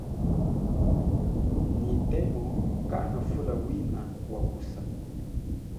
Nyi temo kanafula wina wakusa.